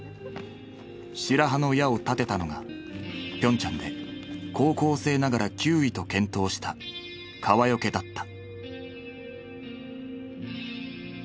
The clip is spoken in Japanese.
白羽の矢を立てたのがピョンチャンで高校生ながら９位と健闘した川除だった。